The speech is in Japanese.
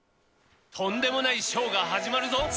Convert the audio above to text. とんでもないショーが始まるぞ。